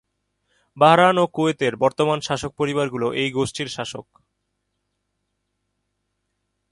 Bahrain ও কুয়েতের বর্তমান শাসক পরিবারগুলি এই গোষ্ঠীর শাসক।